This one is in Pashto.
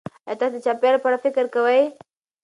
ایا تاسې د چاپیریال په اړه فکر کوئ؟